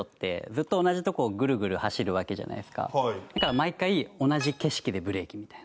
だから毎回同じ景色でブレーキみたいな。